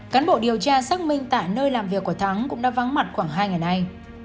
cán bộ điều tra xác minh tại nơi làm việc của thắng cũng đã vắng mặt khoảng hai ngày nay